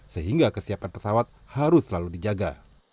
sehingga kesiapan pesawat harus selalu dijaga